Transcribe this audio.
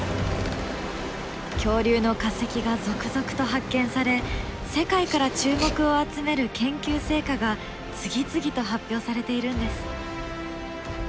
恐竜の化石が続々と発見され世界から注目を集める研究成果が次々と発表されているんです。